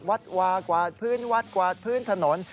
วัดวากวาดพื้นวัดกวาดพื้นถนน